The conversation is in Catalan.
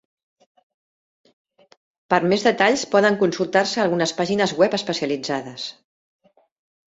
Per a més detalls poden consultar-se algunes pàgines web especialitzades.